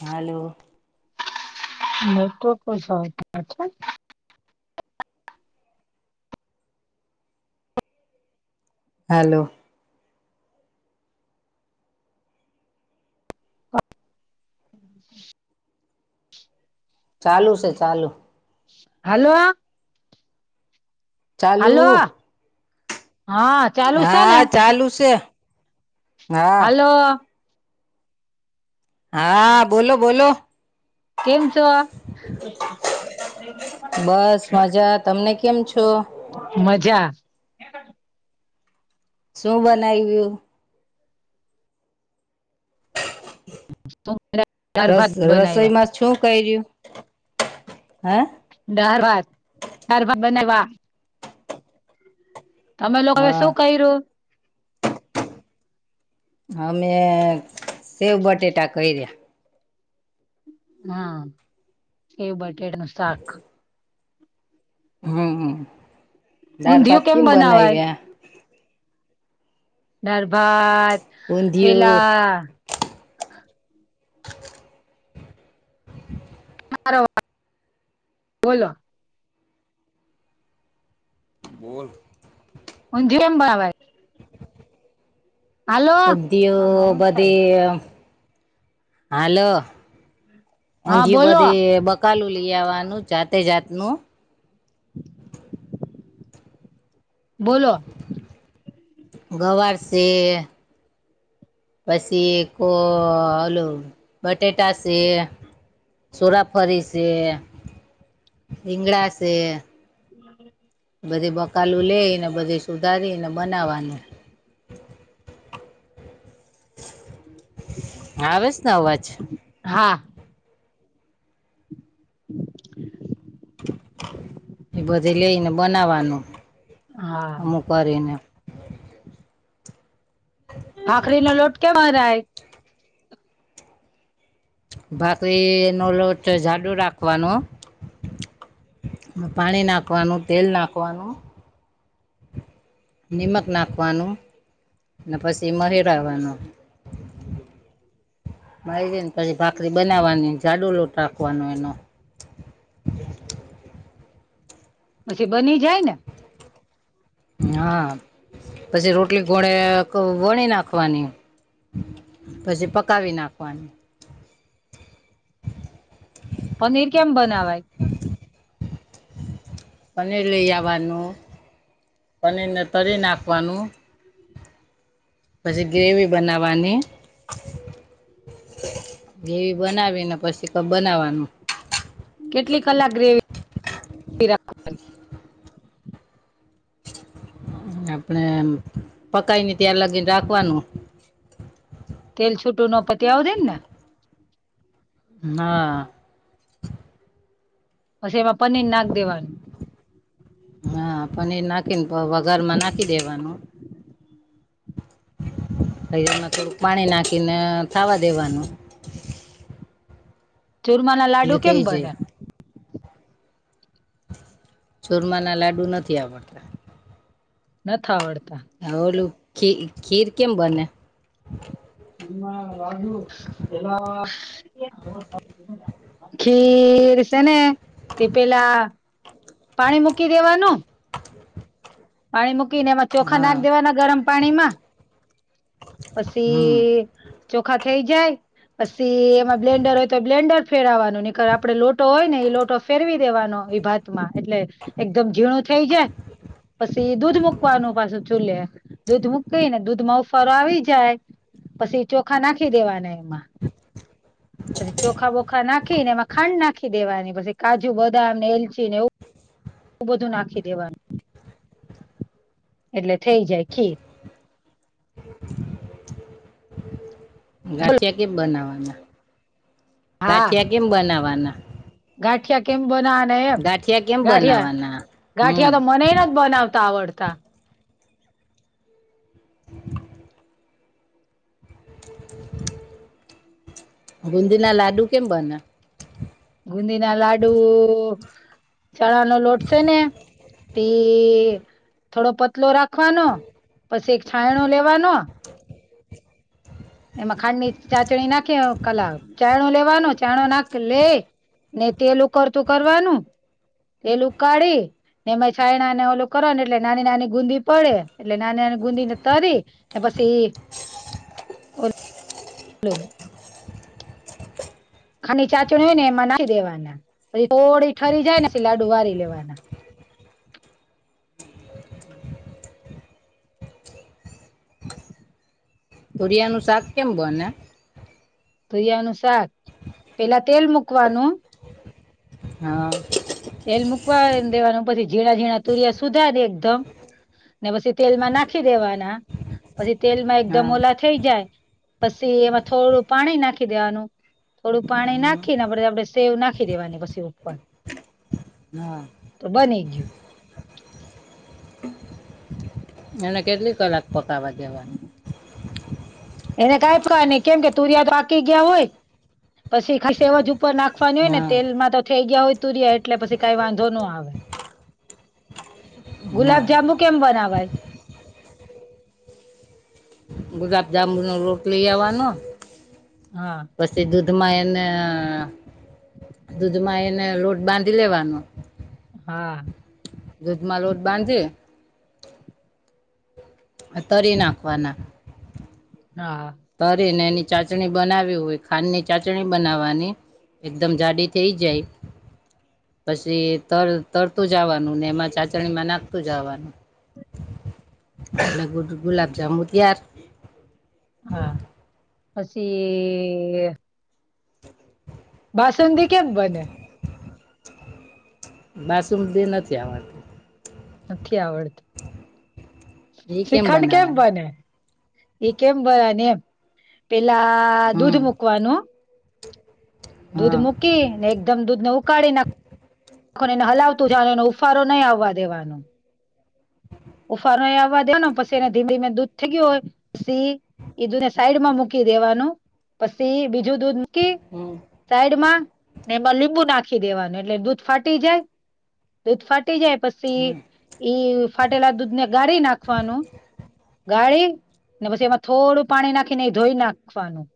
હાલો. નેટવકો હાલો. ઓ ચાલુ છે ચાલુ. હલોઓ. ચાલુ હાલો હા. ચાલુ છે ને હા ચાલુ છે. હા હાલો. હા બોલો બોલો. કેમ છો. બસ મજા તમને કેમ છો. મજા. શું બનાવ્યું. દાળ રસ ભાત બનાવ્યા રસોઈમાં છું કર્યું હ. ડર વાત હર બનાવા. તમે લોકો હવે હા શું કર્યું. અમે સેવ બટેટા કર્યા. હા એવું બટેડ નું સાક. હમ હ દાર ઊંધિયું ભત કેમ કમ બનાવાય બનેવેએ. ડરભત ઊંધિયું પેલા. મારો બોલો. બોલ. હુંજ એમ બ આવે. હાલો આમાં હું થાય ઉદ્યો્યોગતી. હા હાલોંધ બોલો બધી. કકાલું લઈ આવવાનું જાતે જાતનું. બોલો. ગોબર છે. પછી કો ઓલ બટેાટા છે. સોરાફરી છે રીંગડા છે. હમ. બધે બકાલું લઈને બધે સુધારીને બનાવવાનું. આવે છે ને અવાજ. હા. એ બધી લઈને બનાવાનું હા અમુ કરીને. આખરી નો લોટ કેવા રય. બાકી ન લો જાડુ રાખવાનું. પાણી નાખવાનું તેલ નાખવાનું. નિમક નાખવાનું ને પછી મહીરાવાનું. મારીને પછી ભાખરી બનાવવાની જાડુ લોટ રાખવાનો એનો. પછી બની જાય ને. હા પછી રોટલી ઘોણેે વણી નાખવાની. પછી પકાવી નાખવાની. પનીર કેમ બનાવાય. પનીર લઈ આવવાનું પનીરને તરી નાખવાનું. પછી ગ્રેવી બનાવાની. જેવી બનાવીને પછી ક બનાવાનું. કેટલી કલાક ગ્રેવી રાખ. આપડે પકઈ ને ત્યાં લાગીને રાખવાનું. તલ છૂટું ન પતિ આવે ને. હ. પછી એમાં પનીર નાખ દેવાનું. હા પનીર નાખીને વગારમાં નાખી દેવાનું. અછ એમમાં થોડુંક પાણી નાખીને થાવા દેવાનું. ચુરમા ના લાડુ એટલે કેમ થઈ જાય બને. ચુરમા ના લાડુ નથી આવડતા નથ આવડતા હ ઓલું ખી ખીર કેમ બને એમાં રાુ એલા ખીર છે ને તે પેલા પાણી મૂકી દેવાનું પાણી મૂકીને એમાં ચોખા હા નાખ દેવાના ગરમ પાણી માં. હમ પછી ચોખા થઈ જાય પછી એમાં બ્લેન્ડર હોય તો બ્લેન્ડર ફેરવાનું નીકર આપડે લોટો હોય ને એઈ લોટો ફેરવી દેવાનો એ ભાત માં એટલે એકદમ ઝીણું થઈ જાય પછી દૂધ મૂકવાનું પાછું ચૂલે દૂધ મૂકીને દૂધમાં ઉફરો આવી જાય પછી ચોખા નાખી દેવાને પછી ચોખા બોખા નાખીને એમાં ખાંડ નાખી દેવાની પછી કાજુ બદામ ને એલચી ને એવું ું બધું નાખી દેવાનું એટલે થઈ જાય ખીર. ગાંઠિયા કે બનાવાના. હા ગાઠિયા કેમ બનાવાના ગાંઠિયા કેમ બનાવાના ગાંઠિયા કેમ એમગાઠિયા બનાવવાના હમ ગાંઠિયા તો મનેએ નથબનાવતા આવડતા. [inaudible] ગુંદી ના લાડુ કેમ બને? ગુંદીી ના લાડુ ચણા નો લોટ છે ને તે થોડો પતલો રાખવાનો પછી એક છાંણો લેવાનો એમાં ખાંડની ચાચણી નાખી કલા ચાયણો લેવાનો ચાયણો નાખી લ ઇ ને તેલ ઉ કરકરવાનું તેલું ઉકાાઢી ને એમાં છાય ના ને ઓલું કરવાો ને એટલે નાની નાની ગુંદીી પડે એટલે નાની નાની ગુંદીી ને તરી એ પછી ઓ [unintelligible] હલો [unintelligible] ખાડની ચાચણી હોય ને એમાં નાખી દેવાના પછી થોડી ઠરી જાય ને પી લાડુ વારી લેવાના. તુરિયા નું શાક કેમ બને? તોરિયા નુ શાક પેલા તેલ મુૂકવાનું હા. તેલ મૂકવા દેવાનું પછી ઝીણા ઝીણા તુરિયા સુધરી એકદમ ને પછી તેલમાં નાખી દેવાના પછી તેલ માં એકદમ હા ઓલા થઈ જાય પછી એમાં થોડું પાણી નાખી દેવાનું થોડું પાણી હમ, નાખીને આપડ આપણે સેવ નાખી દેવાની પછી ઉપર હા [inaudible] [inaudible] તો બની ગયું. એને કેટલી કલાક પકાવવા દેવાની? [inaudible] [inaudible] એને ક ન કેમ કે તુરિયા તો આકી ગયા હોય પછી ખ ઉપર નાખવાની હોય ને હા તેલમાં તો થઈ ગયા હોય તુરીયા એટલે પછી કઈ વાંધો ન આવે હા ગુલાબજાંબુ કેમ બનાવાય? ગુલાબજામુનનો લોટ લઈ આવવાનો હા. પછી દૂધમાં એને દૂધમાં એને લોટ બાંધી લેવાનો હા. દૂધમાં લોટ બાંધી તરી નાખવાના હા. કરીને એની ચાટણી બનાવી હોય ખાંડની ચાટણી બનાવવાની એકદમ જાડી થઇ જાય પછી તરતું જવાનું ને એમાં ચાસણીમાં નાખતું જાવાનું એટલે ગુલાબ જાંબુ તૈયાર હા પછી [unintelligible] બાસુંદી કેમ બને? બાસુંદી નથી આવડતી. નથી આવડતી એ શ્રીખંડ કેમ બનાવાની બને? એ કેમ બને એમ? પેલા દૂધ હમ મૂકવાનું દૂધ હા મૂકી ને એકદમ દૂધ ને ઉકાળી નાખ એને હલાવતું જાવાનુ એનો ઉફારો નહીં આવવા દેવાનો ઉફાનો નહી આવવા દે પછી એને ધીમે ધીમે દૂધ થઈ ગયું હોય પસી એ દૂધને સાઈડમાં મૂકી દેવાનું પછી બીજું દૂધ મૂકી હમ. સાઈડમાં ને એમાં લીંબુ નાખી દેવાનું એટલે દૂધ ફાટી જાય દૂધ ફાટી જાય પછી હમ ઈ ફાટેલા દૂધ ને ગાળી નાખવાનું ગાળી ને પછી એમાં થોડું પાણી નાખીને એ ધોઈ નાખવાનું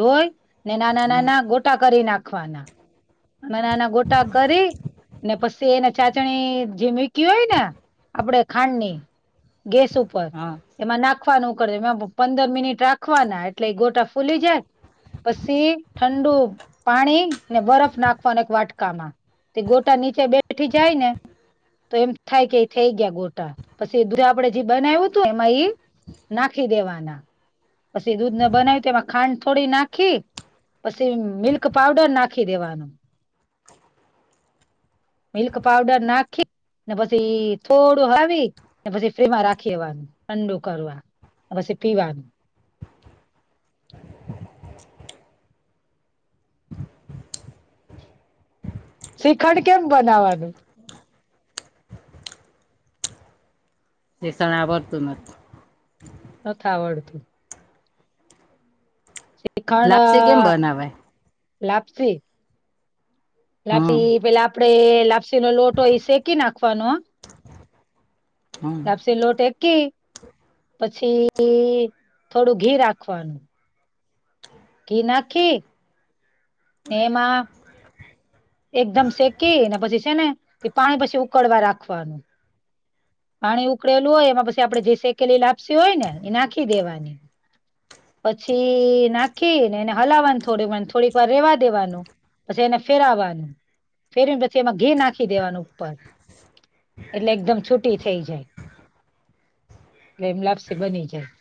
ધોયન ને નાના હમ નાના ગોટા કરી નાખવાના નાના નાના ગોટા કરી ને પછી એને ચાસણી જે મૂકી હોય ને આપણેે ખાંડની ગેસ ઉપર હા એમાં નાખવાનું કર પંદર મિનિટ રાખવાના એટલે એ ગોટા ફૂલી જાય પછી ઠંડુ પાણી ને બરફ નાખવાના અને વાટકામાં તે ગોટા નીચે બેઠી જાય ને તો એમ થાય કે થઈ ગયા ગોટા પછી દુધ આપણે જે બનાવ્યું તો એમાં ઈ નાખી દેવાના પછી દૂધ ને બનાવીયું તો એમાં ખાંડ થોડી નાખી પછી મિલ્ક પાવડર નાખી દેવાનું મિલ્ક પાઉડર નાખી ને પછી થોડું હલાવી ને પછી ફ્રીજમાં રાખી દેવાનું ઠંડુ કરવાનું પછી પીવાનું શ્રીખંડ કેમ બનાવાનું? તેષણ આ વડતું નથી નથ આવડતું, શીખંડ લાપસી કેમ બનાવાય લાપસી? હમ લાપસી પેલા આપડે લાપસી, નો લોટો એ શેકી નાખવાનો હમ લાપસી લોટ, પછી થોડું ઘી રાખવાનું ધી નાખી ને એમાં એકદમ શેકીને પછી છે ને તે પાણી પછી ઉકળવા રાખવાનું પાણી ઉકળેલું હોય એમાં પછી આપડે જે સેકેલી લાપસી હોય ને એ નાખી દેવાની પછી નાખી ને એને હલાવાનું થોડીક વાર ને થોડીક વાર રેવા દેવાનું પછી એને ફેરવવાનું ફેરવીને પછી એમાં ઘી નાખી દેવાનું ઉપર એટલે એકદમ છુટી થઇ જાય એટલે એમ લાપસી બની જાય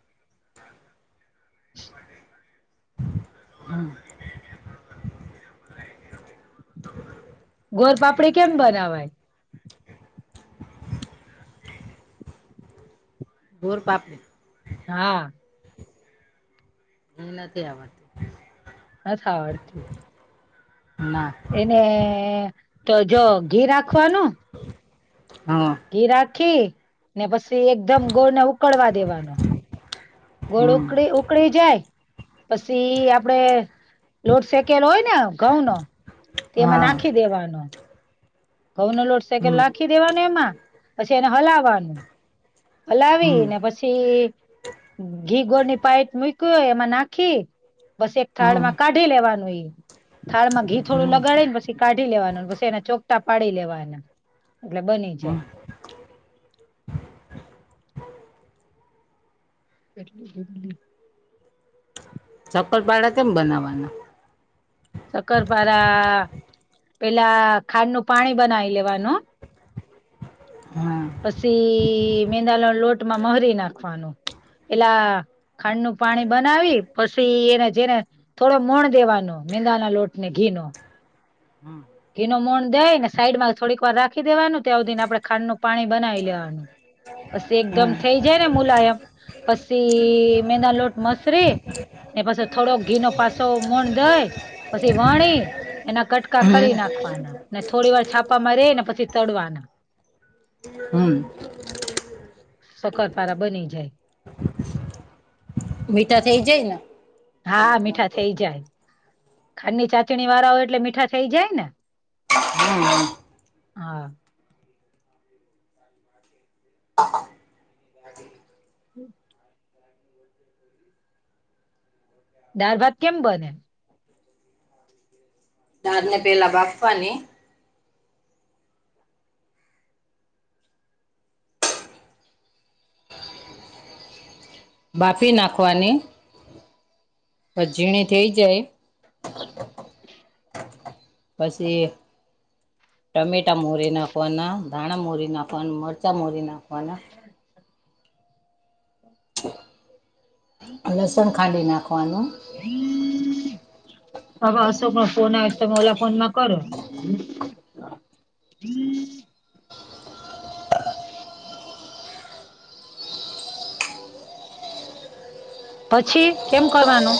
હમ ગોરપાપડી કેમ બનાવાય? ગોરપાપ હા એ નથી આવડતી, નથ આવડતું, ના એને તો જો ઘી રાખવાનું, હા ઘી રાખી ને પછી એકદમ ગોળને, ઉકળવા દેવાનો ગોળ હમ ઉકળ ઉકળી જાય, પછી આપડે લોટ સેકેલ હોય ને ઘઉં નો, તેમાં હા નાખી દેવાનું. ઘઉં નો લોટ સેકેલો હમ નાખી દેવાનું એમાં પછી એને હલાવવાનું. હલાવી હમ ને પછી, ઘી ગોરની પાઈટ મૂક્યું એમાં નાખી, બસ એક થાળ હમ માં કાઢી લેવાનું એ, થાળમાં ઘીો થોડું હમ લગાડે ને પછ કાઢી લેવાનું પ એના ચો, કાપાા પાડી લેવા એના એટલે બની હમ જાય. કેટલુટલી [inaudible] ચક્કલપાડા કેમ બનાવવાના શક્કરપારા અ પેલા ખાંડ નું પાણી બનાવી લેવાનું હમ પછી મેંદાના લોટમાં મહરી નાખવાનું એલા ખાંડ નું પાણી બનાવી પછી એને જેને થોડો મોણ દેવાનો મેંદા ના લોટ ને ઘી નો હમ ઘીનો મણ દે ને સાઈડમાં થોડીક વાર રાખી દેવાનું ત્યાં સુધી આપણે ખાંડનું પાણી બનાવી લેવાનું પછી એકદમ થઇ જાય ને મુલાયમ પછી મેના લોટ મસળી એ પછી થોડો ઘી નો પાછો મોણ દઈ, પછી વણી, એના કટકા હમ કરી નાખવાના ને થોડી વાર છાપામાં રહી ને પછી તડવાના હમ સકરપારા બની જાય મીઠા થઇ જાય ને હા, મીઠા થઇ જાય ખાંડની ચાસણી વાળા હોય એટલે મીઠા થઈ જાય ને, હમ હા હમ દારભાત કેમ બને દાર ને પેલા બાફવાની બાફી નાખવાની પઝીણી થઈ જાય [unintelligible] પછી ટમેટા મોરી નાખવાના, ધાણા મોરી નાખવાના, મરચા મોરી નાખવાના હા લસણ ખાડી નાખવાનું હવે અશોક નો ફોન આવેસ તમે ઓલા ફોન માં કરો [inaudible] પછી કેમ કરવાનું